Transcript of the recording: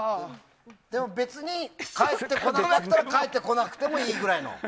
でも別に返ってこなかったら返ってこなくてもいいぐらいの？